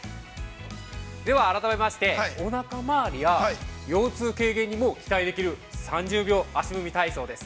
◆では、改めまして、おなか周りや腰痛軽減にも期待できる３０秒足踏み体操です。